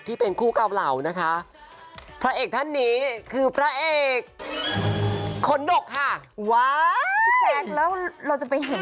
พี่แจ๊กแล้วเราจะไปเห็น